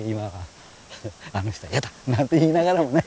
「あの人は嫌だ」なんて言いながらもね。